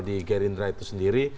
di gerindra itu sendiri